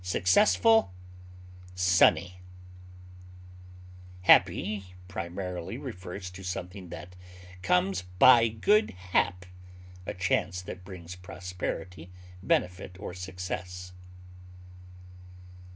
cheerful, fortunate, Happy primarily refers to something that comes "by good hap," a chance that brings prosperity, benefit, or success.